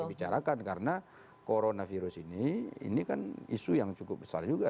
dibicarakan karena coronavirus ini ini kan isu yang cukup besar juga